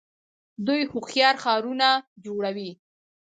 دوی هوښیار ښارونه جوړوي.